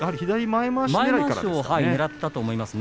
前まわしを狙ったと思います。